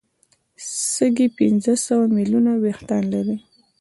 سږي پنځه سوه ملیونه وېښتان لري.